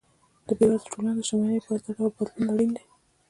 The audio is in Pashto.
د بېوزلو ټولنو د شتمنۍ لپاره دا ډول بدلون اړین دی.